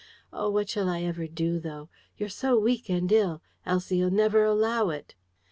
Oh! what shall I ever do, though. You're so weak and ill. Elsie'll never allow it."